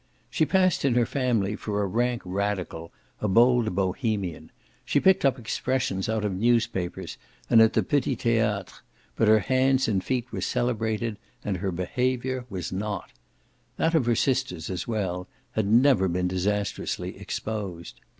She passed in her family for a rank radical, a bold Bohemian; she picked up expressions out of newspapers and at the petits theatres, but her hands and feet were celebrated, and her behaviour was not. That of her sisters, as well, had never been disastrously exposed.